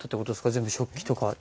全部食器とか。